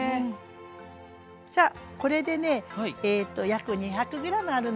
さあこれでね約２００ｇあるの。